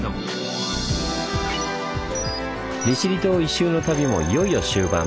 利尻島一周の旅もいよいよ終盤。